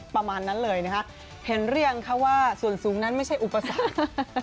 ประมาณนั้นเลยไงครับเห็นเรียกว่าศูนย์นั้นไม่ใช่อุปสรรค